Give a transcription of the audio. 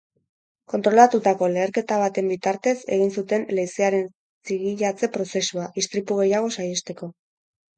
Kontrolatutako leherketa baten bitartez egin zuten leizearen zigilatze prozesua, istripu gehiago saihesteko.